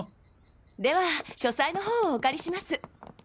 では書斎の方をお借りします。